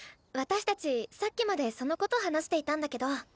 私たちさっきまでそのこと話していたんだけど。